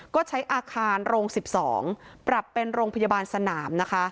ก็ใช้อาคารโรง๑๒ปรับเป็นโรงพยาบาลสนามนะคะ